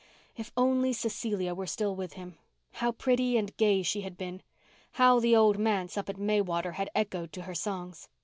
If only Cecelia were still with him! How pretty and gay she had been! How the old manse up at Maywater had echoed to her songs!